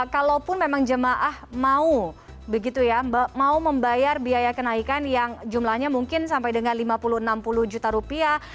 kalaupun memang jemaah mau begitu ya mau membayar biaya kenaikan yang jumlahnya mungkin sampai dengan lima puluh enam puluh juta rupiah